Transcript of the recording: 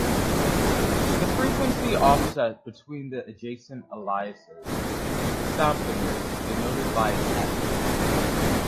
The frequency offset between adjacent aliases is the sampling-rate, denoted by "f".